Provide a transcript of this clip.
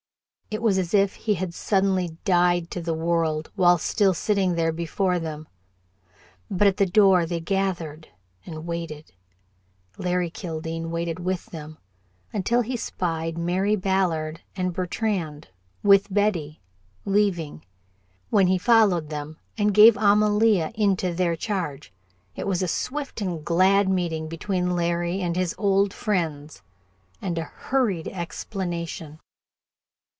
It was as if he had suddenly died to the world while still sitting there before them. But at the door they gathered and waited. Larry Kildene waited with them until he spied Mary Ballard and Bertrand, with Betty, leaving, when he followed them and gave Amalia into their charge. It was a swift and glad meeting between Larry and his old friends, and a hurried explanation.